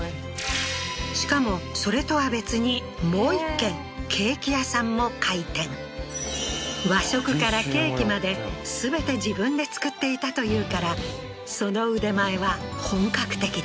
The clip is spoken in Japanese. しかもそれとは別にもう１軒和食からケーキまで全て自分で作っていたというからその腕前は本格的だ